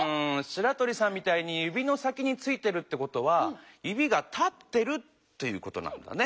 しらとりさんみたいにゆびの先についてるってことはゆびが立ってるってことなんだね。